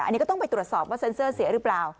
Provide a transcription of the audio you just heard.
อันนี้ก็ต้องไปตรวจสอบว่าเซ็นเซอร์เสียหรือเปล่า